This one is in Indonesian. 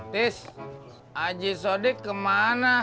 tis aji sodik kemana